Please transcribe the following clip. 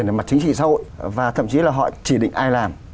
nắm quyền ở mặt chính trị xã hội và thậm chí là họ chỉ định ai làm